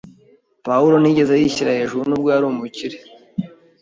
Pawulo ntiyigeze yishyira hejuru nubwo yari umukire.